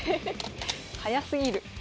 早すぎる。